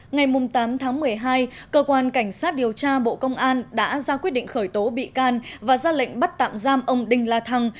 ngày tám tháng một mươi hai cơ quan cảnh sát điều tra bộ công an đã ra quyết định khởi tố bị can và ra lệnh bắt tạm giam ông đinh la thăng